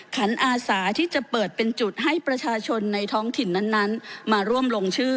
ขันอาสาที่จะเปิดเป็นจุดให้ประชาชนในท้องถิ่นนั้นมาร่วมลงชื่อ